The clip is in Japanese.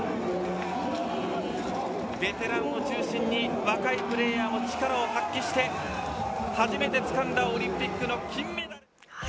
ベテランを中心に若いプレーヤーも力を発揮して初めてつかんだオリンピックの金メダル。